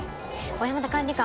小山田管理官